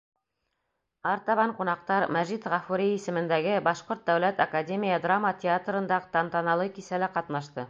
Артабан ҡунаҡтар Мәжит Ғафури исемендәге Башҡорт дәүләт академия драма театрында тантаналы кисәлә ҡатнашты.